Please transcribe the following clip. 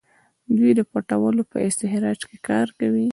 دوی د پټرولو په استخراج کې کار کوي.